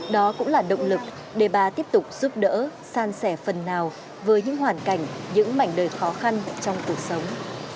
đó cũng là động lực để bà tiếp tục giúp đỡ san sẻ phần nào với những hoàn cảnh những mảnh đời khó khăn trong cuộc sống